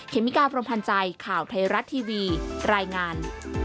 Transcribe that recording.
เมกาพรมพันธ์ใจข่าวไทยรัฐทีวีรายงาน